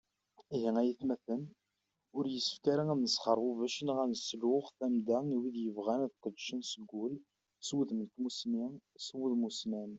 Ihi ay atmaten, ur yessefk ara ad nesxerbubec neɣ ad nesluɣuy tamda i wid yebɣan ad qedcen seg ul, s wudem n tmusni, s wudem ussnan.